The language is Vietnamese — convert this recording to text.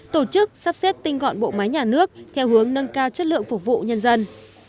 tổ chức sắp xếp tinh gọn bộ máy nhà nước theo hướng nâng cao chất lượng phục vụ nhân dân